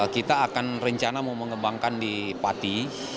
kita akan rencana mengembangkan di parti